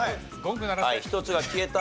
はい１つが消えた。